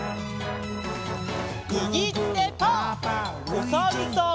おさるさん。